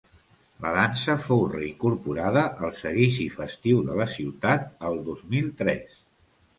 La dansa fou reincorporada al seguici festiu de la ciutat el dos mil tres.